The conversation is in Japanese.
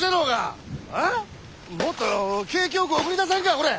もっと景気よく送り出さんかほれ！